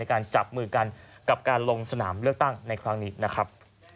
การจับมือกันกับการลงสนามเลือกตั้งในครั้งนี้นะครับ